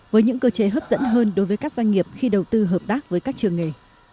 với những cơ chế hấp dẫn hơn đối với các doanh nghiệp khi đầu tư hợp tác với các trường nghề